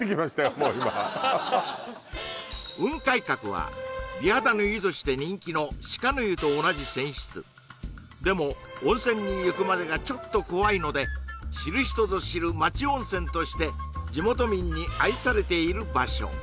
もう今雲海閣は美肌の湯として人気の鹿の湯と同じ泉質でも温泉に行くまでがちょっと怖いので知る人ぞ知る町温泉として地元民に愛されている場所